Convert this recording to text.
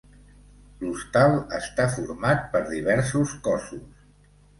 L'hostal està format per diversos cossos.